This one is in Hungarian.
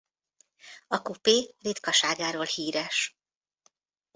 A coupé ritkaságáról híres.